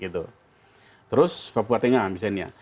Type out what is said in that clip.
terus papua tengah misalnya